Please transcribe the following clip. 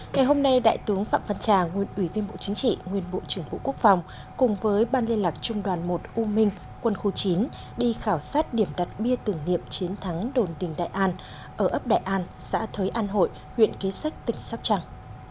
ngày hôm nay đại tướng phạm văn trà nguyên ủy viên bộ chính trị nguyên bộ trưởng bộ quốc phòng cùng với ban liên lạc trung đoàn một u minh quân khu chín đi khảo sát điểm đặt bia tưởng niệm chiến thắng đồn đình đại an ở ấp đại an xã thới an hội huyện kế sách tỉnh sóc trăng